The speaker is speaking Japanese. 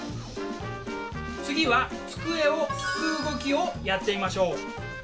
次は机を拭く動きをやってみましょう。